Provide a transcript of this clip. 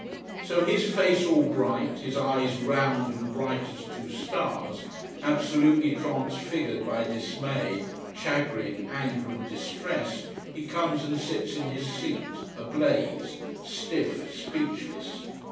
So, his face all bright, his eyes round and bright as two stars, absolutely transfigured by dismay, chagrin, anger and distress, he comes and sits in his seat, ablaze, stiff, speechless.